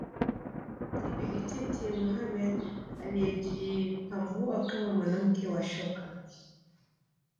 Hayati Bibi Titi Mohamed aliyejipambua kama mwanamke wa shoka